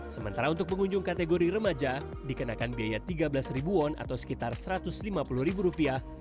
sementara untuk pengunjung kategori remaja dikenakan biaya tiga belas won atau sekitar satu ratus lima puluh ribu rupiah